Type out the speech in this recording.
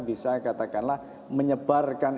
bisa katakanlah menyebarkan